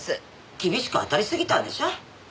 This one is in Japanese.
厳しく当たりすぎたんでしょ。